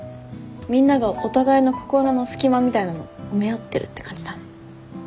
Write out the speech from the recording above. みんながお互いの心の隙間みたいなの埋め合ってるって感じだね。